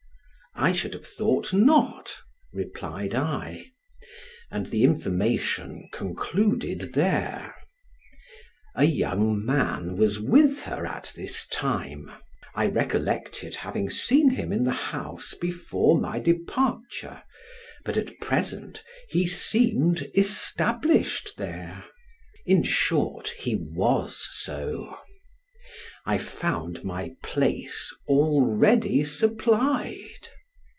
"I should have thought not," replied I; and the information concluded there. A young man was with her at this time. I recollected having seen him in the house before my departure, but at present he seemed established there; in short, he was so; I found my place already supplied!